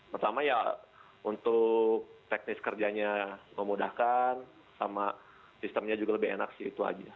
pertama ya untuk teknis kerjanya memudahkan sama sistemnya juga lebih enak sih itu aja